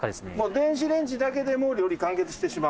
電子レンジだけで料理完結してしまう。